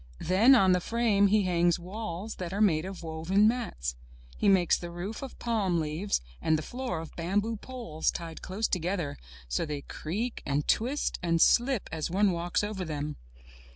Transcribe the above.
Then on the frame, he hangs walls that are made of woven mats. He makes the roof of palm leaves and the floor of bamboo poles tied close together, so they creak, and twist, and slip as one walks over them.